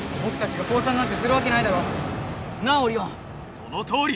そのとおり！